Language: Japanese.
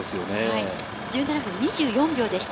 １７分２４秒でした。